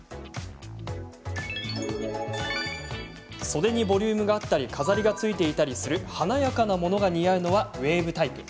袖にボリュームがあったり飾りがついていたりする華やかなものが似合うのはウエーブタイプ。